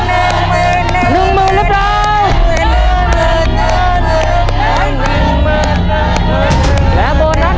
และโบนัสหลังตู้หมายแรก๑ก็คือ